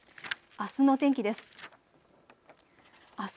あすの天気です。